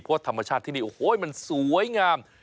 เพราะธรรมชาติที่นี่โอ้โหมันสวยงาม